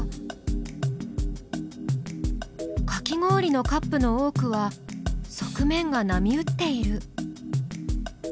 かき氷のカップの多くは側面が波打っている。